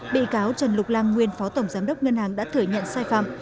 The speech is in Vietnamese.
bị cáo trần lục lan nguyên phó tổng giám đốc ngân hàng đã thừa nhận sai phạm